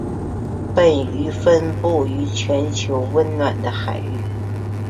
本鱼分布于全球温暖的海域。